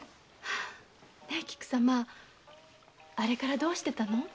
ねえ菊様あれからどうしてたの？